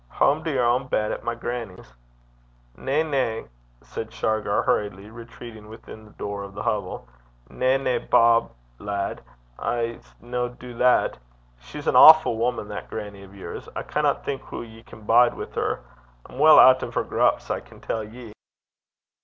'Hame to yer ain bed at my grannie's.' 'Na, na,' said Shargar, hurriedly, retreating within the door of the hovel. 'Na, na, Bob, lad, I s' no du that. She's an awfu' wuman, that grannie o' yours. I canna think hoo ye can bide wi' her. I'm weel oot o' her grups, I can tell ye.'